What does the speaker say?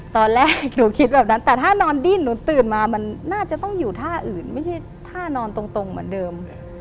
ตอนแรกหนูคิดแบบนั้นแต่ถ้านอนดิ้นหนูตื่นมามันน่าจะต้องอยู่ท่าอื่นไม่ใช่ท่านอนตรงเหมือนเดิม